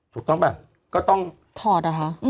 ถูกต้องป่ะก็ต้องถอดเหรอคะ